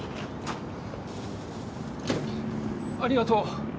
ありがとう。